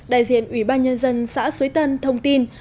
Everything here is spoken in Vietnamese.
đại diện ủy ban nhân dân xã suối tân thông tin